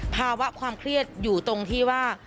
ภาวะความเครียดอยู่ตรงที่ว่า